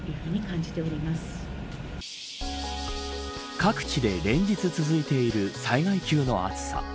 各地で連日続いている災害級の暑さ。